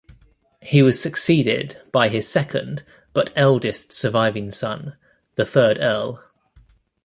He was succeeded by his second but eldest surviving son, the third Earl.